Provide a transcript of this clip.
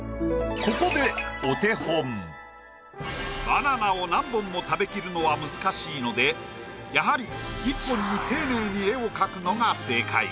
バナナを何本も食べきるのは難しいのでやはり１本に丁寧に絵を描くのが正解。